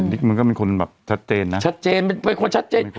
อันนี้มันก็เป็นคนแบบชัดเจนนะชัดเจนเป็นคนชัดเจนเป็นคนชัดเจน